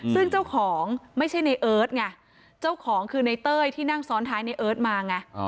ซึ่งเจ้าของไม่ใช่ในเอิร์ทไงเจ้าของคือในเต้ยที่นั่งซ้อนท้ายในเอิร์ทมาไง